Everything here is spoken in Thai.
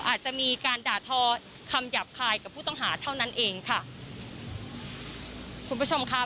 อาจจะมีการด่าทอคำหยาบคายกับผู้ต้องหาเท่านั้นเองค่ะคุณผู้ชมค่ะ